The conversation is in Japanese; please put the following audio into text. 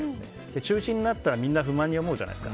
中止になったらみんな不満に思うじゃないですか